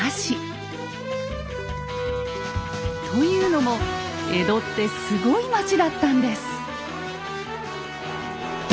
というのも江戸ってすごい町だったんです。